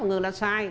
mà ngừng ra sai